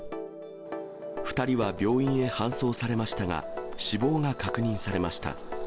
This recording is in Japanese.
２人は病院へ搬送されましたが、死亡が確認されました。